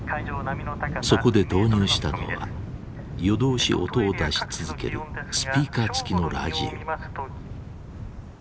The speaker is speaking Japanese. そこで導入したのは夜通し音を出し続けるスピーカーつきのラジオ。